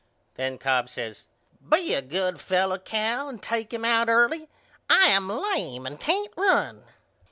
Then Cobb says Be a good fellow Cal and take him out early. I am lame and can't run.